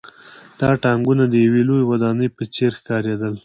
دا ټانکونه د یوې لویې ودانۍ په څېر ښکارېدل